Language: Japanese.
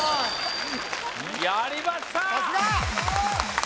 やりました！